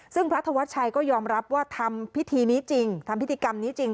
ซึ่งพระธวัชชัยก็ยอมรับว่าทำพิธีนี้จริงทำพิธีกรรมนี้จริง